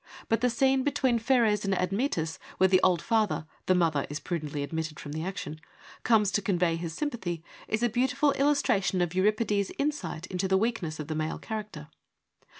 But the scene between Pheres and Admetus where the old father — the mother is prudently omitted from the action, — comes to convey his sympathy, is a beautiful illustration of Euripides' insight into the weakness of the male character.